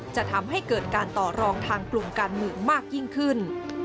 จะทำให้เกิดการต่อรองทางกลุ่มการเมืองมากยิ่งขึ้น